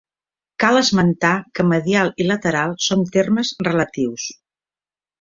Cal esmentar que medial i lateral són termes relatius.